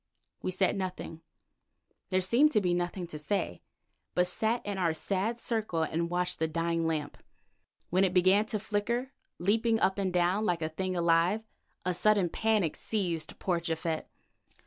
We said nothing; there seemed to be nothing to say, but sat in our sad circle and watched the dying lamp. When it began to flicker, leaping up and down like a thing alive, a sudden panic seized poor Japhet.